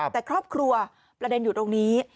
แต่ครอบครัวประเด็นอยู่ตรงนี้